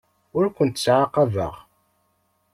Ur kent-ttɛaqabeɣ.